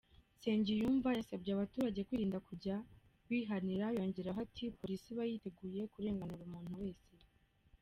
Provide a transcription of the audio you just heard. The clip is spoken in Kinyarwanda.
Nsengiyumva yasabye abaturage kwirinda kujya bihanira, yongeraho ati ”Polisi iba yiteguye kurenganura umuntu wese.